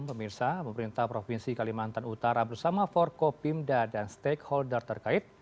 pemirsa pemerintah provinsi kalimantan utara bersama forkopimda dan stakeholder terkait